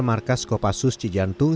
markas kopassus cijantung